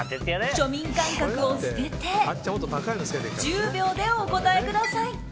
庶民感覚を捨てて１０秒でお答えください。